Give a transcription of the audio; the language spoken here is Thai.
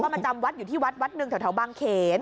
แล้วก็มาจำวัดอยู่ที่วัดที่เที่ยวธิบังเขณฑ์